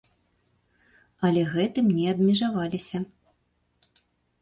Але гэтым не абмежаваліся.